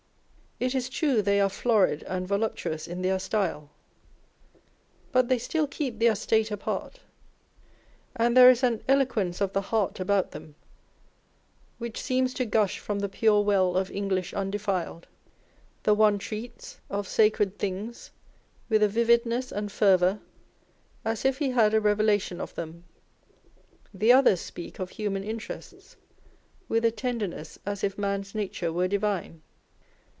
It is true, they are florid and voluptuous in their style, but they still keep their state apart, and there is an eloquence of the heart about them, which seems to gush from the u pure well of English undefiled." The one treats of sacred things with a vividness and fervour as if he had a revela tion of them : the others speak of human interests with a tenderness as if man's nature were divine.